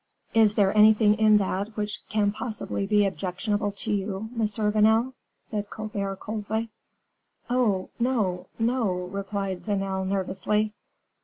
"Is there anything in that which can possibly be objectionable to you, Monsieur Vanel?" said Colbert, coldly. "Oh! no, no," replied Vanel, nervously.